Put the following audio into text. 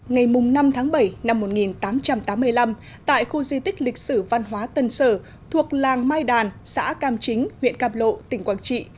ngày năm tháng bảy năm một nghìn tám trăm tám mươi năm tại khu di tích lịch sử văn hóa tân sở thuộc làng mai đàn xã cam chính huyện càm lộ tỉnh quảng trị